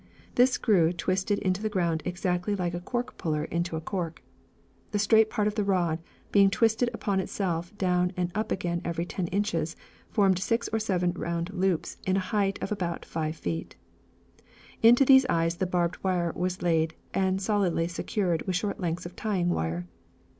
This screw twisted into the ground exactly like a cork puller into a cork. The straight part of the rod, being twisted upon itself down and up again every ten inches, formed six or seven small round loops in a height of about five feet. Into these eyes the barbed wire was laid and solidly secured with short lengths of tying wire.